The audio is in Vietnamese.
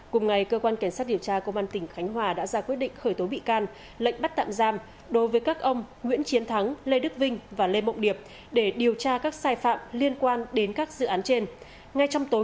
cùng ngày cơ quan cảnh sát điều tra công an tỉnh khánh hòa đã ra quyết định khởi tố bị can lệnh bắt tạm giam đối với các ông nguyễn chiến thắng lê đức vinh và lê mộng điệp để điều tra các sai phạm liên quan đến các dự án trên